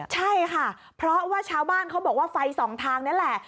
ใช่ค่ะเพราะว่าชาวบ้านเขาบอกว่าไฟสองทางนี่แหละ